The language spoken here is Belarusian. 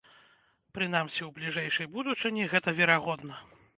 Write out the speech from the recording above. Прынамсі, у бліжэйшай будучыні гэта верагодна.